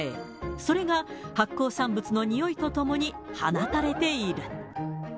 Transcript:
それが、発酵産物の臭いとともに放たれている。